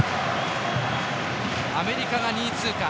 アメリカが２位通過。